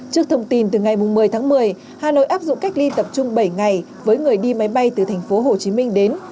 trước thông tin từ ngày một mươi tháng một mươi hà nội áp dụng cách ly tập trung bảy ngày với người đi máy bay từ thành phố hồ chí minh đến